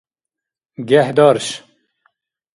гехӀдарш